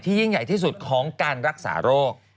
ยิ่งใหญ่ที่สุดของการรักษาโรค